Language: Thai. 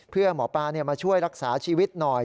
เพื่อหมอปลามาช่วยรักษาชีวิตหน่อย